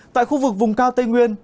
tại khu vực vùng cao tây nguyên